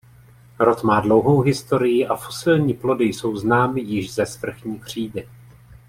Rod má dlouhou historii a fosilní plody jsou známy již ze svrchní křídy.